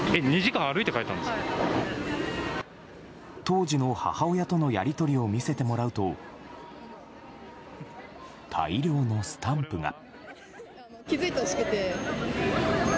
当時の母親とのやり取りを見せてもらうと大量のスタンプが。